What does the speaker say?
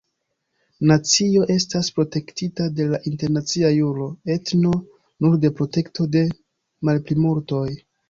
Nacio estas protektita de la internacia juro, etno nur de protekto de malplimultoj.